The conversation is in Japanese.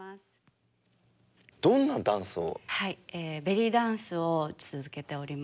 どんなダンスを？